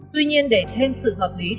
tuy nhiên để thêm sự hợp lý